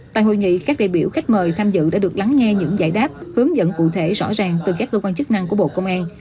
tại hội nghị các đại biểu khách mời tham dự đã được lắng nghe những giải đáp hướng dẫn cụ thể rõ ràng từ các cơ quan chức năng của bộ công an